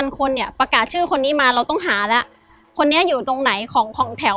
คนเนี่ยประกาศชื่อคนนี้มาเราต้องหาแล้วคนนี้อยู่ตรงไหนของของแถว